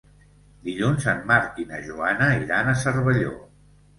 Dilluns en Marc i na Joana iran a Cervelló.